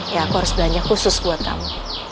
ya aku harus belanja khusus buat kamu